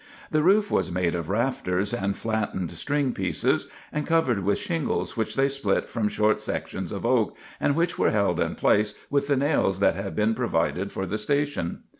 The roof was made of rafters and flattened string pieces, and covered with shingles which they split from short sections of oak, and which were held in place with the nails that had been provided for the station.